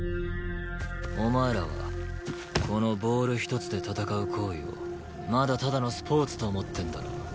お前らはこのボールひとつで戦う行為をまだただのスポーツと思ってんだろ。